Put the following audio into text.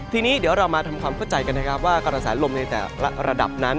ทีนี้เดี๋ยวเรามาทำความเข้าใจกันนะครับว่ากระแสลมในแต่ละระดับนั้น